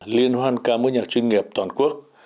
liên hoan ca mối nhạc chuyên nghiệp toàn quốc